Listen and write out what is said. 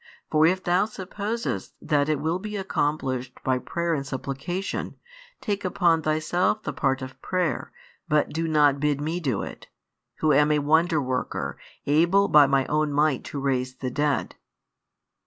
For if thou supposest that it will be accomplished by prayer and supplication, take upon thyself the part of prayer, but do not bid Me do it, Who am a Wonder worker, able by My own Might to raise the dead."